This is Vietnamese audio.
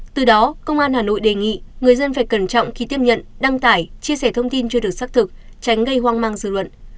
từ đó công an hà nội đề nghị người dân phải cẩn trọng khi tiếp nhận đăng tải chia sẻ thông tin chưa được xác thực tránh gây hoang mang dư luận